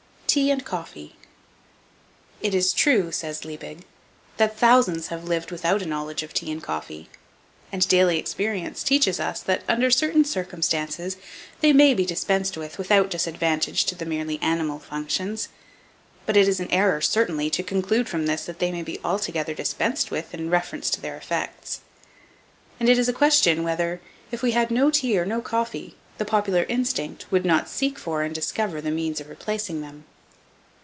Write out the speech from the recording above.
TEA AND COFFEE. It is true, says Liebig, that thousands have lived without a knowledge of tea and coffee; and daily experience teaches us that, under certain circumstances, they may be dispensed with without disadvantage to the merely animal functions; but it is an error, certainly, to conclude from this that they may be altogether dispensed with in reference to their effects; and it is a question whether, if we had no tea and no coffee, the popular instinct would not seek for and discover the means of replacing them.